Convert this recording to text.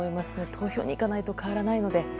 投票に行かないの変わらないので。